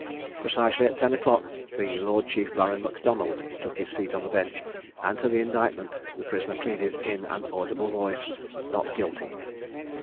Precisely at ten o'clock, the Lord Chief Baron Macdonald took his seat on the bench; and to the indictment the prisoner pleaded, in an audible voice, "Not guilty."